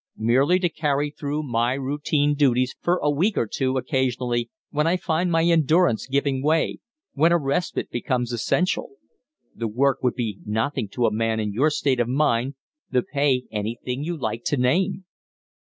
Merely to carry through my routine duties for a week or two occasionally when I find my endurance giving way when a respite becomes essential. The work would be nothing to a man in your state of mind, the pay anything you like to name."